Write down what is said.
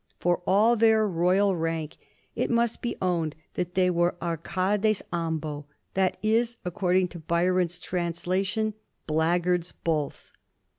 For all their royal rank, it must be owned that they were arcades am^o— that is, according to Byron's translation, " blackguards both."